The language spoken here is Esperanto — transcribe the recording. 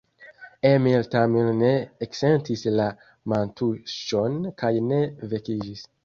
Emil tamen ne eksentis la mantuŝon kaj ne vekiĝis.